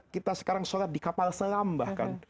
kita sekarang sholat di kapal selam bahkan